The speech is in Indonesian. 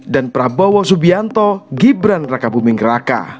dan prabowo subianto gibran rakabuming raka